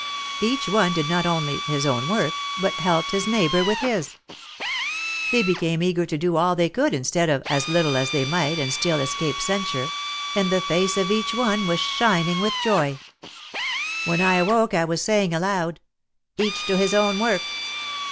Each one did not only his own work but helped his neighbour with his. They became eager to do all they could instead of as little as they might and still escape censure, and the face of each one was shining with joy. "When I awoke I was saying aloud: 'Each to his own work!'